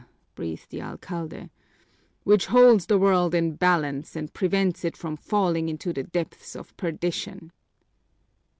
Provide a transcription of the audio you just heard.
breathed the alcalde) "which holds the world in balance and prevents it from falling into the depths of perdition."